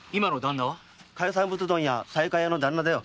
海産物問屋・西海屋の旦那だよ。